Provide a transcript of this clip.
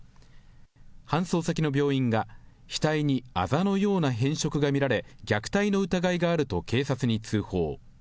搬送先の病院が額にあざのような変色が見られ、虐待の疑いがあると警察に通報。